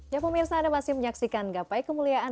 ya pemirsa anda masih menyaksikan gapai kemuliaan